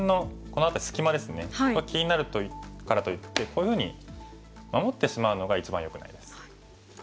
これ気になるからといってこういうふうに守ってしまうのが一番よくないです。